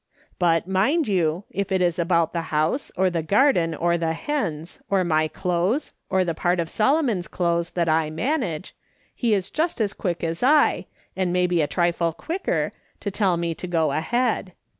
But mind you, if it is about the house, or the garden, or the hens, or my clothes, or the part of Solomon's clothes that I manage, he is just as quick as I, and maybe a trifle quicker, to tell me to go ahead.